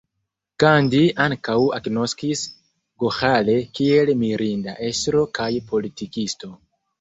Gandhi ankaŭ agnoskis Goĥale kiel mirinda estro kaj politikisto.